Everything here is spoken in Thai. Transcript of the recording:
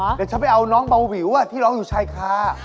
เดี๋ยวฉันไปเอาน้องเบาวิวที่ร้องอยู่ชายคา